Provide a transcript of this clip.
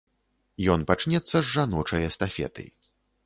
Ён пачнецца з жаночай эстафеты.